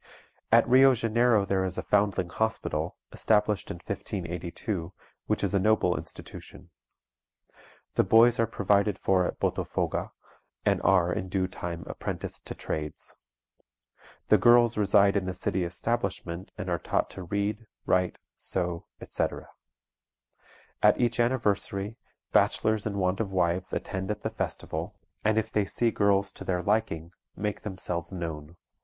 At Rio Janeiro there is a Foundling Hospital, established in 1582, which is a noble institution. The boys are provided for at Botofoga, and are in due time apprenticed to trades. The girls reside in the city establishment, and are taught to read, write, sew, etc. At each anniversary, bachelors in want of wives attend at the festival, and if they see girls to their liking, make themselves known.